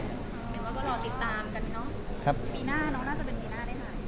ก็รอติดตามกันเนาะ